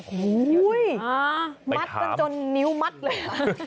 โอ้โหมัตต์จนนิ้วมัตต์เลย